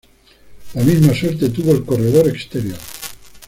La misma suerte tuvo el corredor exterior.